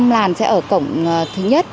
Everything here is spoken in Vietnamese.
năm làn sẽ ở cổng thứ nhất